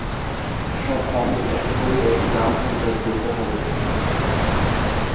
সব বামুন এক করে একটি ব্রাহ্মণজাত গড়তে হবে।